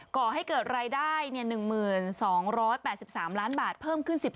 ก่อให้เกิดรายได้๑๒๘๓ล้านบาทเพิ่มขึ้น๑๓